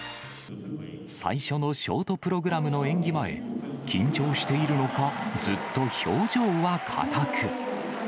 最初のショートプログラムの演技前、緊張しているのか、ずっと表情は硬く。